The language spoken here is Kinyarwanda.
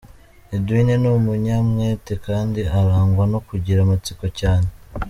Edwin ni umunyamwete, kandi arangwa no kugira amatsiko cyane.